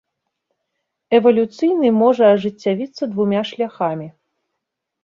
Эвалюцыйны можа ажыццявіцца двума шляхамі.